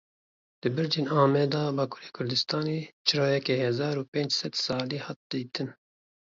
Li bircên Ameda Bakurê Kurdistanê çirayeke hezar û pênc sed salî hat dîtin.